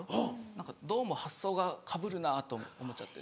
何かどうも発想がかぶるなと思っちゃって。